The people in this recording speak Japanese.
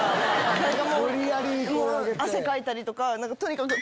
何かもう汗かいたりとか何かとにかく。